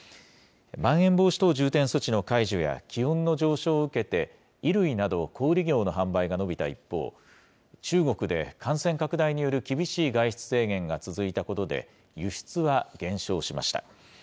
まん延防止等重点措置の解除や気温の上昇を受けて、衣類など、小売り業の販売が伸びた一方、中国で感染拡大による厳しい外出制限が続いたことで、輸出は減少しました。